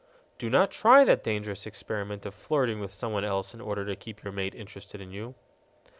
Do not try that dangerous experiment of flirting with someone else in order to keep your mate interested in you.